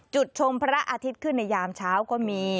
ชมพระอาทิตย์ขึ้นในยามเช้าก็มี